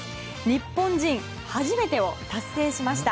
日本人初めてを達成しました。